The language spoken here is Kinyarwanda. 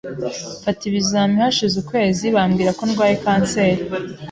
mfata ibizami hashize ukwezi bambwira ko ndwaye kanseri